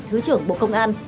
thứ trưởng bộ công an